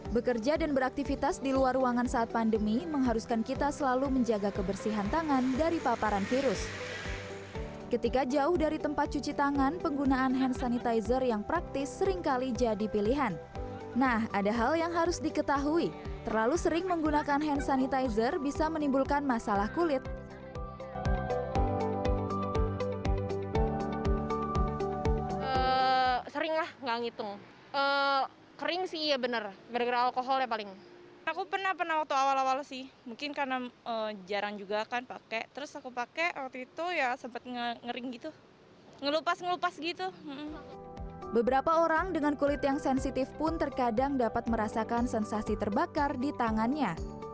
beberapa orang dengan kulit yang sensitif pun terkadang dapat merasakan sensasi terbakar di tangannya